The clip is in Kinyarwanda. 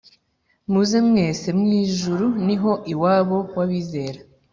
muze mwese mwijuru niho iwabo wabizera